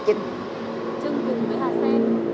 trứng trứng với hạt sen